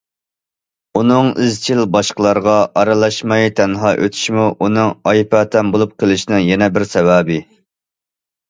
ئۇنىڭ ئىزچىل باشقىلارغا ئارىلاشماي تەنھا ئۆتىشىمۇ ئۇنىڭ« ئايپاتەم» بولۇپ قېلىشىنىڭ يەنە بىر سەۋەبى.